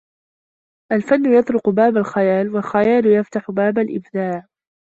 الفن يطرق باب الخيال، و الخيال يفتح باب الإبداع